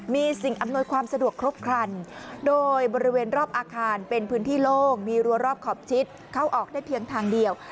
มีสิ่งอำนวยความสะดวกครบครันโดยบริเวณรอบอาคารเป็นพื้นที่โล่งมีรัวรอบขอบชิดเข้าออกได้เพียงทางเดียว